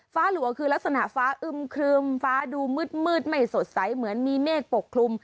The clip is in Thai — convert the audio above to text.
หลัวคือลักษณะฟ้าอึมครึมฟ้าดูมืดไม่สดใสเหมือนมีเมฆปกคลุม